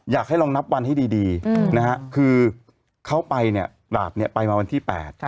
อยากให้ลองนับวันให้ดีนะฮะคือเขาไปเนี่ยดาบเนี่ยไปมาวันที่๘